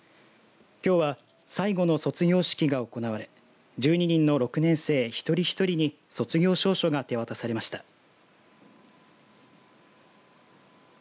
きょうは最後の卒業式が行われ１２人の６年生１人１人に卒業証書が手渡されました。